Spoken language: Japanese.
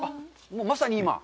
まさに今。